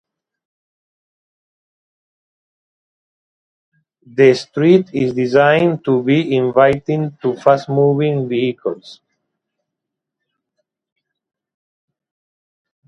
That street is designed to be inviting to fast-moving vehicles.